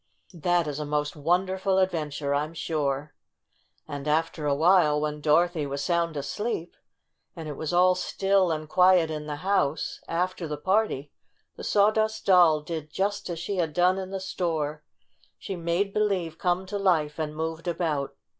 That is a most wonderful adventure, I'm sure!" And, after a while, when Dorothy was sound asleep, and it was all still and quiet in the house, after the party, the Sawdust Doll did just as she had done in the store — she made believe come to life and moved about.